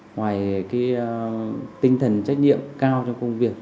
ngoài tinh thần trách nhiệm cao trong công việc